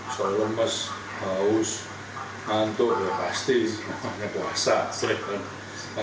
soalnya mesti haus ngantuk ya pasti makanya puasa